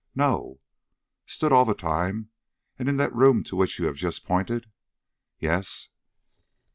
"No." "Stood all the time, and in that room to which you have just pointed?" "Yes."